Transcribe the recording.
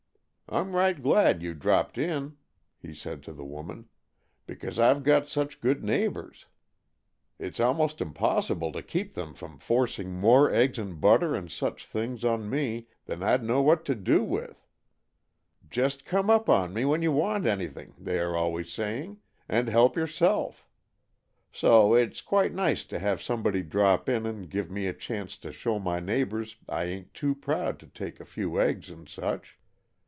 I'm right glad you dropped in," he said to the woman, "because I've got such good neighbors. It's almost impossible to keep them from forcing more eggs and butter and such things on me than I'd know what to do with. 'Just come on up when you want anything,' they are always saying, 'and help yourself.' So it's quite nice to have somebody drop in and give me a chance to show my neighbors I ain't too proud to take a few eggs and such.